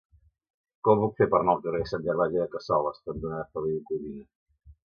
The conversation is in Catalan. Com ho puc fer per anar al carrer Sant Gervasi de Cassoles cantonada Feliu i Codina?